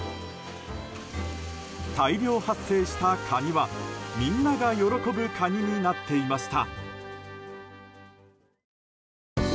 大量発生したカニはみんなが喜ぶカニになっていました。